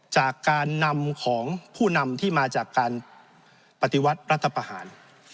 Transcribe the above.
จากการนำของผู้นำที่มาจากการปฏิวัติรัฐประหาร